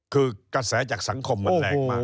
คือกระแสจากสังคมมันแรงมาก